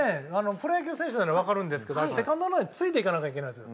プロ野球選手ならわかるんですけどセカンドランナーについていかなきゃいけないんです。